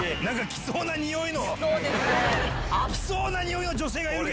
来そうなにおいの。